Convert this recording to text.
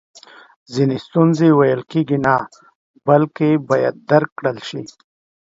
ځینې ستونزی ویل کیږي نه بلکې باید درک کړل سي!